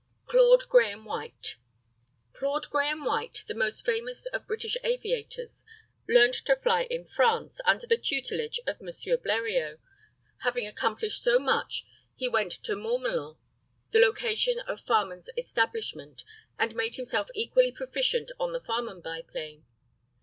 CLAUDE GRAHAME WHITE. CLAUDE GRAHAME WHITE, the most famous of British aviators, learned to fly in France, under the tutelage of M. Bleriot, Having accomplished so much, he went to Mourmelon, the location of Farman's establishment, and made himself equally proficient on the Farman biplane.